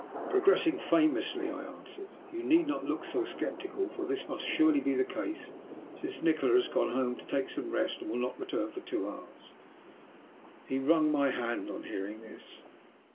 "Progressing famously," I answered. "You need not look so sceptical, for this must surely be the case, since Nikola has gone home to take some rest and will not return for two hours." He wrung my hand on hearing this.